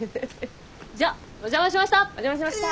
じゃお邪魔しました。